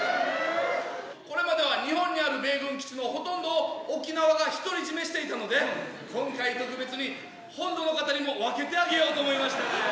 これまでは日本にある米軍基地のほとんどを沖縄が独り占めしていたので、今回、特別に本土の方にも分けてあげようと思いましてね。